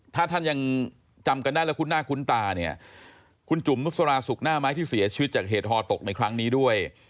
ถ้าท่านยังจำกันได้แล้วคุ้นหน้าคุ้นตาเนี่ยคุณจุ๋มนุษราสุกหน้าไม้ที่เสียชีวิตจากเหตุฮอตกในครั้งนี้ด้วย